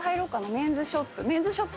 メンズショップ